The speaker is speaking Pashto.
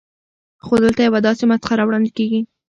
خو دلته یوه داسې مسخره وړاندې کېږي.